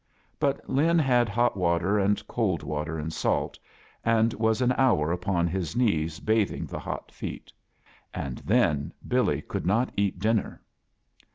But Lin had hot water and cold water and salt, and was an hour upon his knees battling the hot feet. And then Billy could not eat dinner.